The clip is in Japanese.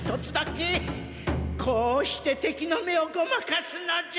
こうして敵の目をごまかすのじゃ。